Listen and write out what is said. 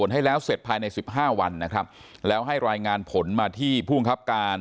ให้แล้วเสร็จภายในสิบห้าวันนะครับแล้วให้รายงานผลมาที่ผู้บังคับการ